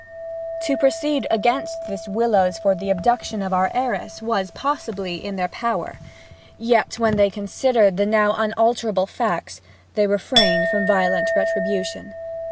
To proceed against this Willowes for the abduction of our heiress was, possibly, in their power; yet, when they considered the now unalterable facts, they refrained from violent retribution.